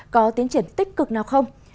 có tiến triển tích cực nào không